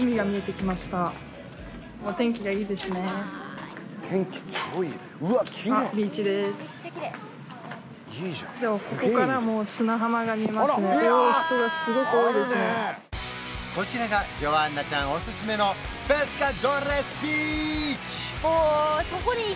きれいこちらがジョアンナちゃんおすすめのペスカドーレスビーチ！